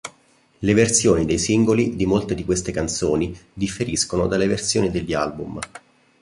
Le versioni dei singoli di molte di queste canzoni differiscono dalle versioni degli album.